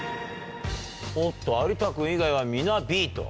おっと有田君以外は皆Ｂと。